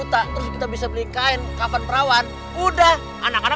dari semua udah kena